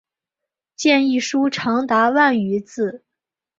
建议书长达万余字。